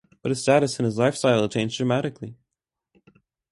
But his status and his lifestyle had changed dramatically.